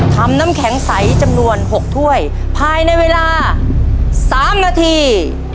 น้ำแข็งใสจำนวน๖ถ้วยภายในเวลา๓นาที